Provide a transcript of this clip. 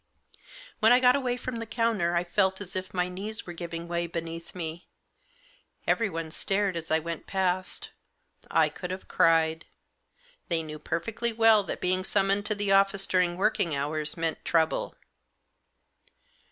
When I got away from the counter I felt as if my knees were giving way beneath me. Everyone stared as I went past — I could have cried. They knew perfectly well that being summoned to the office during working hours meant trouble.